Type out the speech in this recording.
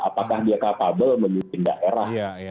apakah dia capable memimpin daerah